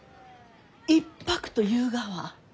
一泊というがは？